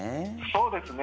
そうですね。